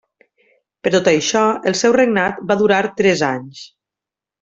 Per tot això el seu regnat va durar tres anys.